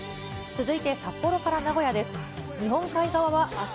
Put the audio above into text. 続いて札幌から名古屋です。